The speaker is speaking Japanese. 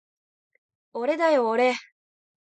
おれだよおれ